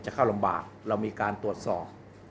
เข้าลำบากเรามีการตรวจสอบ